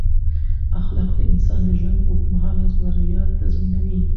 اخلاق د انسان د ژوند اوږد مهاله بریا تضمینوي.